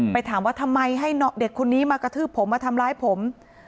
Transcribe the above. ถามว่าทำไมให้เด็กคนนี้มากระทืบผมมาทำร้ายผม